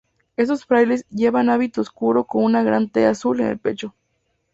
Estos frailes llevaban hábito oscuro con una gran T azul en el pecho.